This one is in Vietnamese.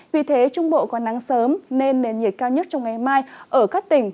vì thế trung bộ có nắng sớm nên nền nhiệt cao nhất trong ngày mai ở các tỉnh